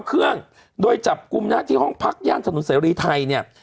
เครื่องโดยจับกลุ่มนะที่ห้องพักย่านถนนเสรีไทยเนี่ย